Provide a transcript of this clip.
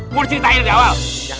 mursi tayar di awal